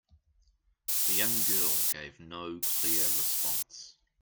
The young girl gave no clear response.